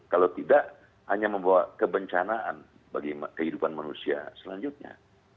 kalau tidak hanya membawa kebencanaan bagi kehidupan manusia selanjutnya